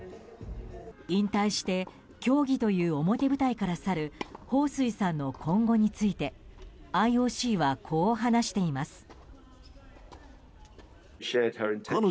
引退して競技という表舞台から去るホウ・スイさんの今後についてＩＯＣはこう話しています。